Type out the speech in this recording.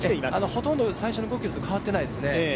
ほとんど最初の５ｋｍと変わってないですね。